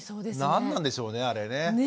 何なんでしょうねあれね。